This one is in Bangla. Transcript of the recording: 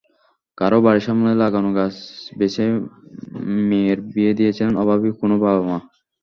কারও বাড়ির সামনে লাগানো গাছ বেচে মেয়ের বিয়ে দিয়েছেন অভাবী কোনো বাবা-মা।